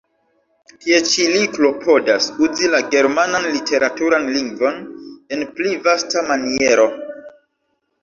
Tie ĉi li klopodas uzi la germanan literaturan lingvon en pli vasta maniero.